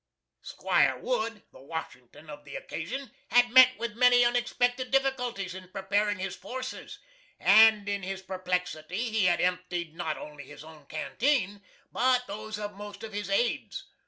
'Squire Wood, the Washington of the occasion, had met with many unexpected difficulties in preparing his forces, and in his perplexity he had emptied not only his own canteen but those of most of his aids.